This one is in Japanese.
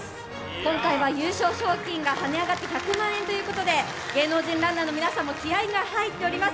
こん回は優勝賞金が跳ね上がって１００万円ということで芸能人ランナーの皆さんも気合いが入っております。